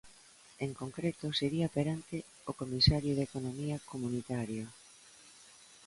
En concreto, sería perante o Comisario de Economía comunitario.